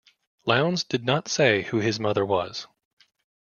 Lowndes did not say who his mother was.